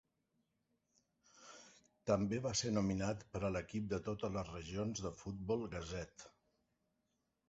També va ser nominat per a l'equip de totes les regions de Futbol Gazette.